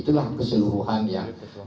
itulah keseluruhan yang